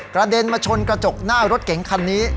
เด็นมาชนกระจกหน้ารถเก๋งคันนี้